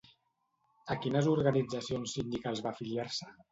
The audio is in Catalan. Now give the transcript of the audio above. A quines organitzacions sindicals va afiliar-se?